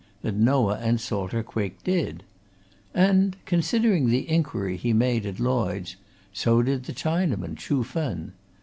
that Noah and Salter Quick did. And considering the inquiry he made at Lloyds so did the Chinaman, Chuh Fen.